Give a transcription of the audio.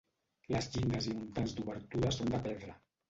Les llindes i muntants d'obertures són de pedra.